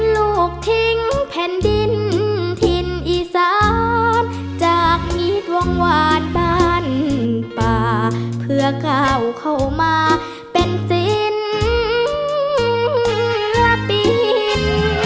ลูกทิ้งแผ่นดินถิ่นอีสานจากฮิตวงวานบ้านป่าเพื่อก้าวเข้ามาเป็นสินและปีน